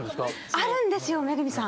あるんですよ恵さん。